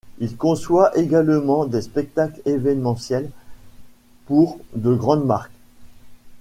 Il conçoit également des spectacles évènementiels pour de grandes marques.